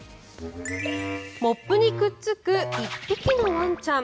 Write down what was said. モップにくっつく１匹のワンちゃん。